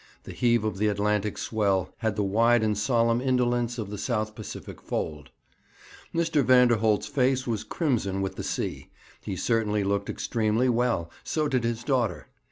The heave of the Atlantic swell had the wide and solemn indolence of the South Pacific fold. Mr. Vanderholt's face was crimson with the sea. He certainly looked extremely well; so, too, did his daughter.